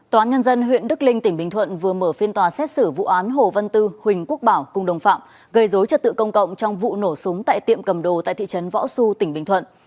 tòa án nhân dân huyện đức linh tỉnh bình thuận vừa mở phiên tòa xét xử vụ án hồ văn tư huỳnh quốc bảo cùng đồng phạm gây dối trật tự công cộng trong vụ nổ súng tại tiệm cầm đồ tại thị trấn võ xu tỉnh bình thuận